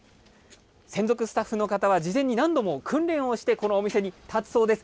専属スタッフの方は、事前に何度も訓練をして、このお店に立つそうです。